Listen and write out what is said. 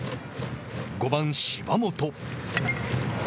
５番芝本。